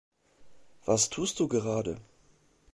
Was tust du gerade?